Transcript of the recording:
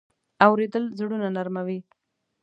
اورېدل زړونه نرمه وي.